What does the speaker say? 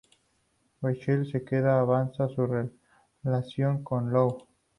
Rachel se queda y avanza su relación con Lou.